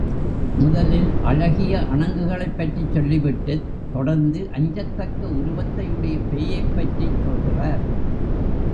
முதலில் அழகிய அணங்குகளைப் பற்றிச் சொல்லி விட்டுத் தொடர்ந்து அஞ்சத்தக்க உருவத்தையுடைய பேயைப் பற்றிச் சொல்கிறார்.